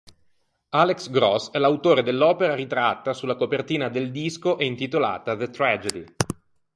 Alex Gross è l'autore dell'opera ritratta sulla copertina del disco e intitolata "The Tragedy".